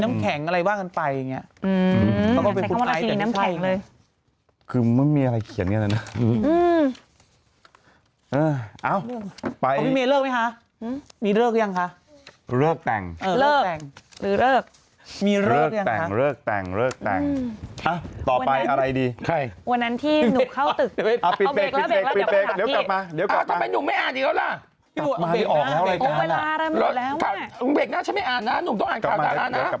ทำให้เธอไปเจอหมอคนนึงที่ฝีมือดีมากที่เกาหรีใต้นะครับ